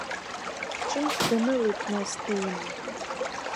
Ҿымҭ данылеит настәи имҩа.